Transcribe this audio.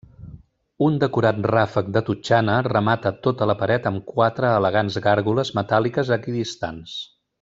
Un decorat ràfec de totxana remata tota la paret amb quatre elegants gàrgoles metàl·liques equidistants.